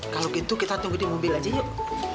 kalau gitu kita tunggu di mobil aja yuk